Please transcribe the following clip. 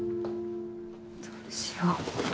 どうしよう。